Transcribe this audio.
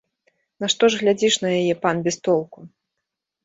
Нашто ж глядзіш на яе, пан, без толку?